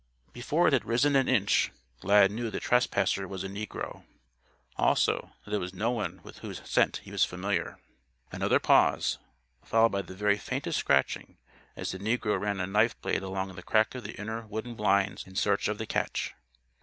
Before it had risen an inch, Lad knew the trespasser was a negro. Also that it was no one with whose scent he was familiar. Another pause, followed by the very faintest scratching, as the negro ran a knife blade along the crack of the inner wooden blinds in search of the catch.